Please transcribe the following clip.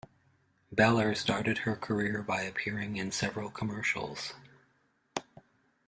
Beller started her career by appearing in several commercials.